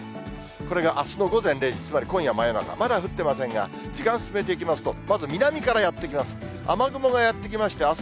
これがあすの午前０時、つまり今夜真夜中、まだ降ってませんが、時間進めていきますと、まず南からやって来ます。